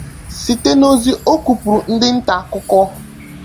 site n'ozi ọ kụpụụrụ ndị nta akụkọ